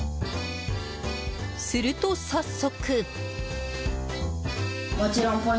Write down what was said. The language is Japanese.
すると早速。